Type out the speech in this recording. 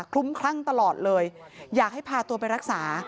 ลุ้มคลั่งตลอดเลยอยากให้พาตัวไปรักษา